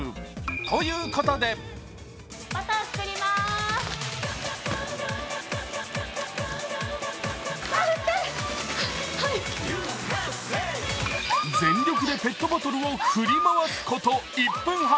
ということで全力でペットボトルを振り回すこと１分半。